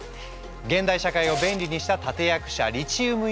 現代社会を便利にした立て役者「リチウムイオン電池」。